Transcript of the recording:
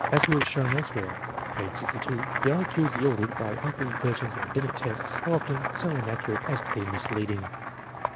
, As we have shown elsewhere (p. 62 ff.) the I Q yielded by other versions of the Binet tests are often so inaccurate as to be misleading.